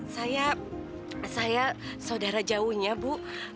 saya saya saudara jauhnya bu